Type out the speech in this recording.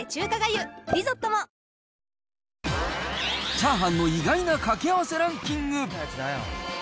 チャーハンの意外な掛け合わせランキング。